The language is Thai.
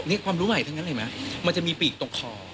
นี่ความรู้ใหม่ทั้งนั้นเห็นไหมมันจะมีปีกตรงคอ